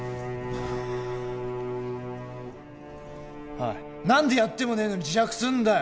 おい何でやってもねえのに自白すんだよ！？